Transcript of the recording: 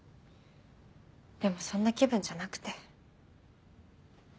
でもそんな気分じゃなくて。